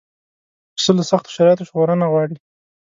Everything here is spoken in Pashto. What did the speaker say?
پسه له سختو شرایطو ژغورنه غواړي.